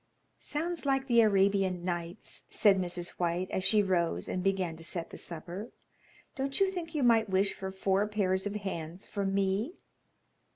"Sounds like the Arabian Nights," said Mrs. White, as she rose and began to set the supper. "Don't you think you might wish for four pairs of hands for me?"